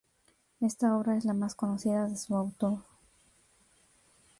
Esta obra es la más conocida de su autor.